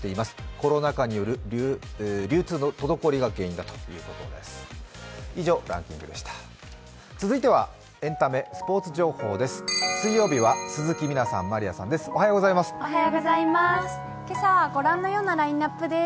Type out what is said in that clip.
コロナ禍による流通の滞りが原因だということです。